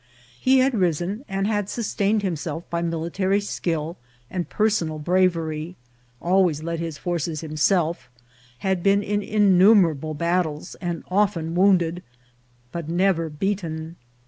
He had risen and had sustained himself by military skill and personal bra very ; always led his forces himself ; had been in innu merable battles, and often wounded, but never beaten.